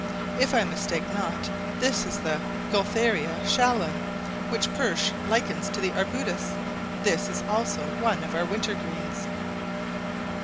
If I mistake not, this is the Gualtheria Shallon, which Pursh likens to the arbutus: this is also one of our winter greens.